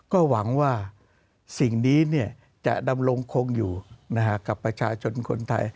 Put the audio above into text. ก็หวังว่าสิ่งนี้จะดำรงคงอยู่กับประชาชนคนไทย